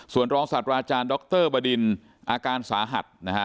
ส่วนรองศาสตราอาจารย์ดรบดินอาการสาหัสนะฮะ